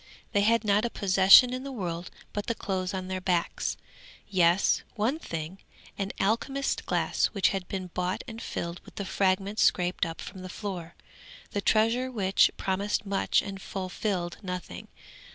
They had not a possession in the world but the clothes on their backs; yes, one thing an alchemist's glass which had been bought and filled with the fragments scraped up from the floor. The treasure which promised much and fulfilled nothing.